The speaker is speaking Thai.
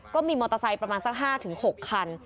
ก็มีมอเตอร์ไซค์ประมาณสัก๕๖คัน